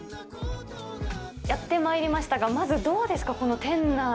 やってまいりましたが、まずどうですか、この店内。